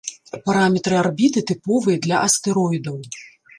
Параметры арбіты тыповыя для астэроідаў.